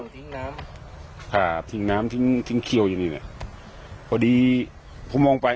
ทิ้งน้ำอ่าทิ้งน้ำทิ้งทิ้งเคี่ยวอยู่นี่แหละพอดีผมมองไป